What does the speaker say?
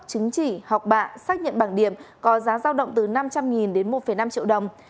chứng chỉ học bạ xác nhận bảng điểm có giá giao động từ năm trăm linh đến một năm triệu đồng